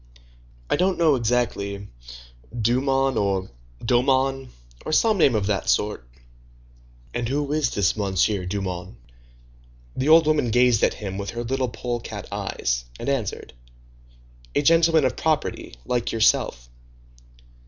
"I don't know exactly; Dumont, or Daumont, or some name of that sort." "And who is this Monsieur Dumont?" The old woman gazed at him with her little polecat eyes, and answered:— "A gentleman of property, like yourself."